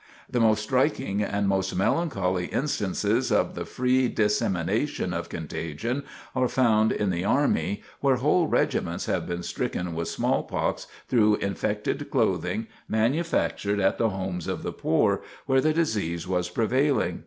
The most striking and most melancholy instances of the free dissemination of contagion are found in the army, where whole regiments have been stricken with smallpox through infected clothing manufactured at the homes of the poor, where the disease was prevailing.